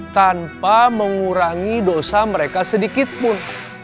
tanpa mengurangi dosa mereka sedikit pun